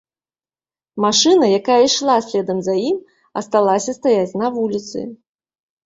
Машына, якая ішла следам за ім, асталася стаяць на вуліцы.